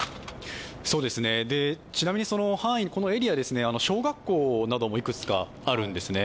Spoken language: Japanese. ちなみに、このエリア、小学校などもいくつかあるんですね。